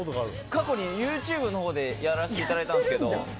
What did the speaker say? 過去にＹｏｕＴｕｂｅのほうでやらせていただいたんですけど。